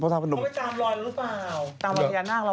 ตามทยานทางเรากัน